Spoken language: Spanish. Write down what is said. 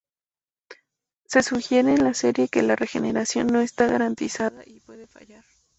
Se sugiere en la serie que la regeneración no está garantizada y puede fallar.